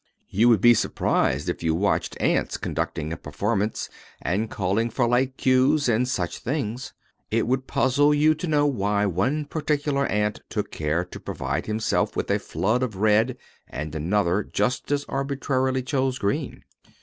You would be surprised if you watched ants conducting a performance and calling for light cues and such things. It would puzzle you to know why one particular ant took care to provide himself with a flood of red and another just as arbitrarily chose green.